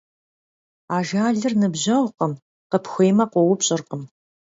Ажалыр ныбжьэгъукъым, къыпхуеймэ, къоупщӀыркъым.